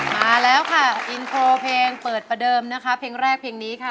มาแล้วค่ะอินโทรเพลงเปิดประเดิมนะคะเพลงแรกเพลงนี้ค่ะ